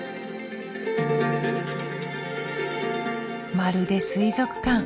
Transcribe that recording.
まるで水族館。